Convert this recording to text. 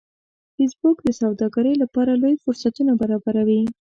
فېسبوک د سوداګرۍ لپاره لوی فرصتونه برابروي